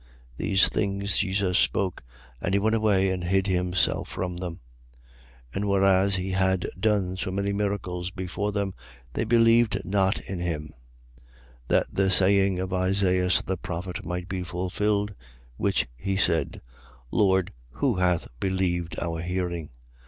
These things Jesus spoke: and he went away and hid himself from them. 12:37. And whereas he had done so many miracles before them, they believed not in him: 12:38. That the saying of Isaias the prophet might be fulfilled, which he said: Lord, who hath believed our hearing?